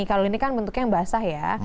kalau ini kan bentuknya yang basah ya